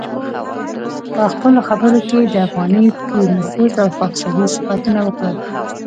په خپلو خبرو کې یې د افغاني پیر نفوذ او خاکساري صفتونه وکړل.